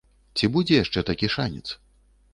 Ці будзе яшчэ такі шанец.